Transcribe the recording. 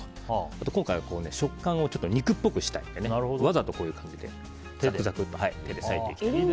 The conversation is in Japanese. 今回は食感を肉っぽくしたいのでわざとこういう感じでざくざくっと手で裂いていきます。